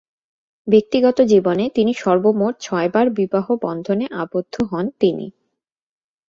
ব্যক্তিগত জীবনে তিনি সর্বমোট ছয়বার বিবাহবন্ধনে আবদ্ধ হন তিনি।